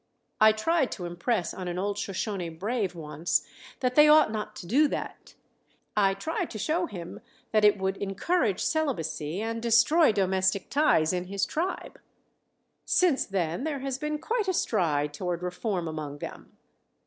I tried to impress on an old Shoshone brave once that they ought not to do that. I tried to show him that it would encourage celibacy and destroy domestic ties in his tribe. Since then there has been quite a stride toward reform among them.